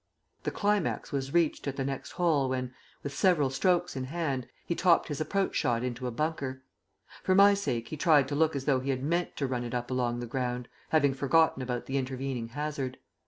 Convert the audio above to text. The climax was reached, at the next hole, when, with several strokes in hand, he topped his approach shot into a bunker. For my sake he tried to look as though he had meant to run it up along the ground, having forgotten about the intervening hazard.